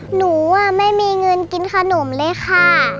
หนูไม่มีเงินกินขนมเลยค่ะ